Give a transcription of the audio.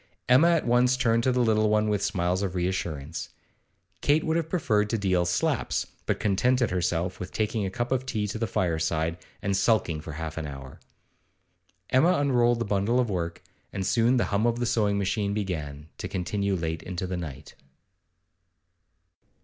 Emma at once turned to the little one with smiles of re assurance. Kate would have preferred to deal slaps, but contented herself with taking a cup of tea to the fireside, and sulking for half an hour. Emma unrolled the bundle of work, and soon the hum of the sewing machine began, to continue late into the night.